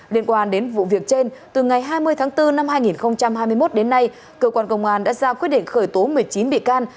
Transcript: liên quan đến vụ việc trên từ ngày hai mươi tháng bốn năm hai nghìn hai mươi một đến nay cơ quan công an đã ra quyết định khởi tố một mươi chín bị can